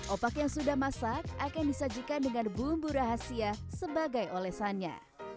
opak yang sudah masak akan disajikan dengan bumbu rahasia sebagai olesannya